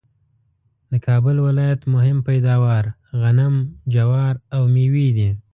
د کابل ولایت مهم پیداوار غنم ،جوار ، او مېوې دي